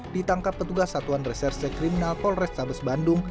ditangkap petugas satuan reserse kriminal polrestabes bandung